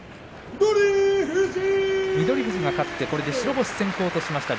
富士が勝ってこれで白星先行としました。